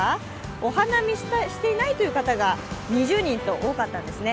お花見していないという方が２０人と多かったんですね。